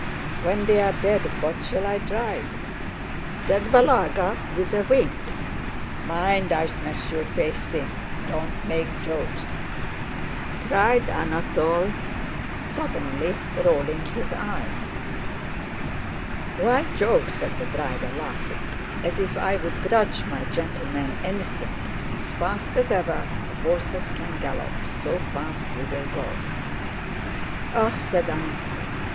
"When they are dead, what shall I drive?" said Balagá with a wink. "Mind, I'll smash your face in! Don't make jokes!" cried Anatole, suddenly rolling his eyes. "Why joke?" said the driver, laughing. "As if I'd grudge my gentlemen anything! As fast as ever the horses can gallop, so fast we'll go!" "Ah!" said Anatole.